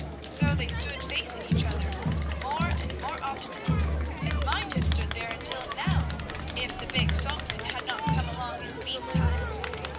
So they stood facing each other, more and more obstinate, and might have stood there until now, if the big Sultan had not come along in the meantime.